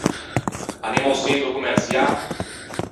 Anemmo a-o çentro commerçiâ?